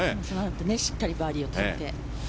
そのあとしっかりバーディーを取って。